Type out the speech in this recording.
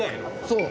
そう。